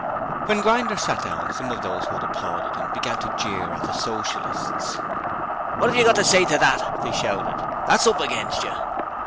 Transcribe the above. When Grinder sat down some of those who had applauded him began to jeer at the Socialists. 'What have you got to say to that?' they shouted. 'That's up against yer!'